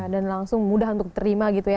dan langsung mudah untuk terima gitu ya